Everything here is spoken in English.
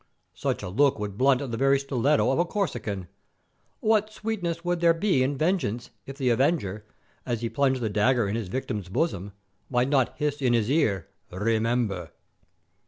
Such a look would blunt the very stiletto of a Corsican. What sweetness would there be in vengeance if the avenger, as he plunged the dagger in his victim's bosom, might not hiss in his ear, 'Remember!'